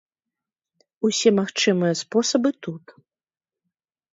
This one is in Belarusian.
Усе магчымыя спосабы тут!